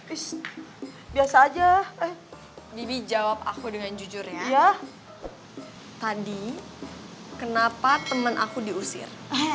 ish biasa aja eh bibi jawab aku dengan jujur ya tadi kenapa temen aku diusir